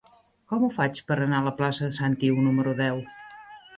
Com ho faig per anar a la plaça de Sant Iu número deu?